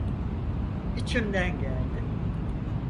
İçimden geldi.